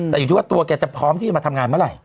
แต่อยู่ที่ว่าตัวแกจะพร้อมที่จะมาทำงานเมื่อไหร่